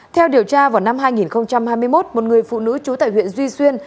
theo điều tra vào năm hai nghìn hai mươi một một người phụ nữ trú tại huyện duy xuyên